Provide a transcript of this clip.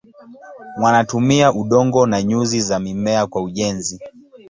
Wanatumia udongo na nyuzi za mimea kwa ujenzi.